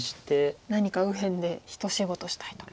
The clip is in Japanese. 何か右辺で一仕事したいと。